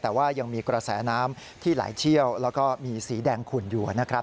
แต่ว่ายังมีกระแสน้ำที่ไหลเชี่ยวแล้วก็มีสีแดงขุ่นอยู่นะครับ